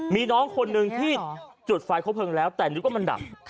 มีน้องคนหนึ่งที่จุดไฟครบเพลิงแล้วแต่นึกว่ามันดับ